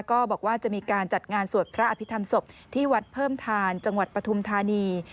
ก็บอกว่าจะมีการจัดงานสวดพระอภิษฐรรมศพที่วัดเพิ่มทานจังหวัดปฐุมธานี